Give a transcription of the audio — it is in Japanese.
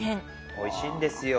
おいしいんですよ。